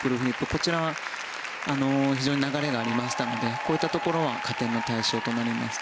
こちらは非常に流れがありましたのでこういったところは加点の対象となります。